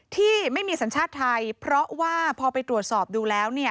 ที่ไม่มีสัญชาติไทยเพราะว่าพอไปตรวจสอบดูแล้ว